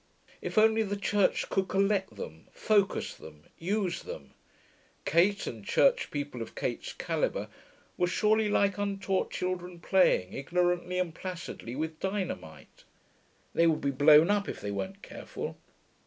If only the Church could collect them, focus them, use them.... Kate, and church people of Kate's calibre, were surely like untaught children playing, ignorantly and placidly, with dynamite. They would be blown up if they weren't careful.